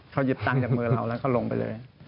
เขาหยิบตังค์จากมือเราแล้วก็ลงไปเลย